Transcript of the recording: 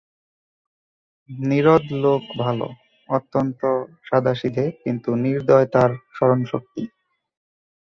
নীরদ লোক ভালো, অত্যন্ত সাদাসিধে, কিন্তু নির্দয় তার স্মরণশক্তি।